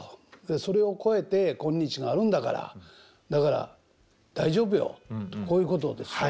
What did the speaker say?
それを越えて今日があるんだからだから大丈夫よとこういうことですかね？